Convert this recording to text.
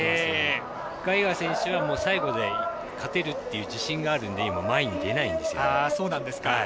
ガイガー選手は最後で勝てるって自信があるので前に出ないんですよ。